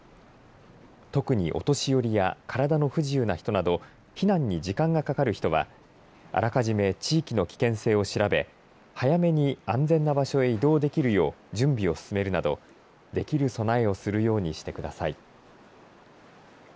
特にお年寄りや体の不自由な人など避難に時間がかかる人はあらかじめ地域の危険性を調べ早めに安全な場所へ移動できるよう準備を進めるなどできる備えをするようにしてください。